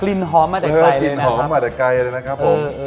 กลิ่นหอมมาแต่ใกล้เลยนะครับ